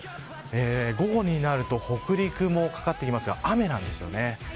午後になると北陸も掛かってきますが雨です。